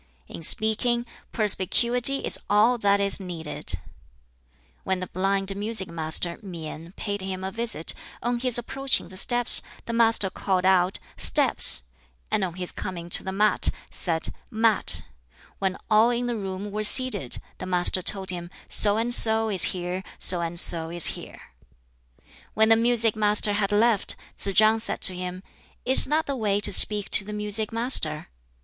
"In speaking, perspicuity is all that is needed." When the blind music master Mien paid him a visit, on his approaching the steps the Master called out "Steps," and on his coming to the mat, said "Mat." When all in the room were seated, the Master told him "So and so is here, so and so is here." When the music master had left, Tsz chang said to him, "Is that the way to speak to the music master?"